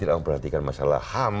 jangan perhatikan masalah ham